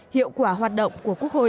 hiệu quả hoạt động của quốc hội